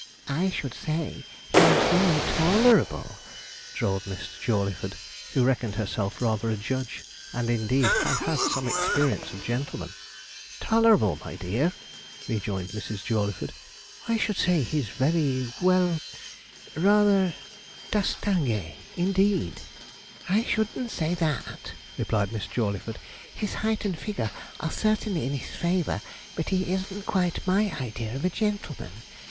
'I should say he was very toor lerable,' drawled Miss Jawleyford, who reckoned herself rather a judge, and indeed had had some experience of gentlemen. 'Tolerable, my dear!' rejoined Mrs. Jawleyford, 'I should say he's very well rather distingué, indeed.' 'I shouldn't say that,' replied Miss Jawleyford; 'his height and figure are certainly in his favour, but he isn't quite my idea of a gentleman.